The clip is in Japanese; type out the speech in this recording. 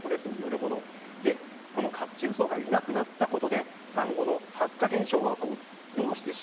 この褐虫藻がいなくなったことでサンゴの白化現象が起こる。